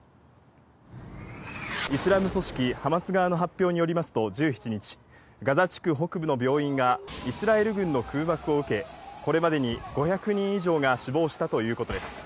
イスラム組織ハマス側の発表によりますと、１７日、ガザ地区北部の病院がイスラエル軍の空爆を受け、これまでに５００人以上が死亡したということです。